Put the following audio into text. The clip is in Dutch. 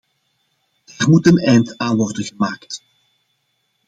Daar moet een eind aan worden gemaakt.